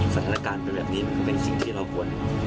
สถานการณ์เป็นแบบนี้มันก็เป็นสิ่งที่เราควร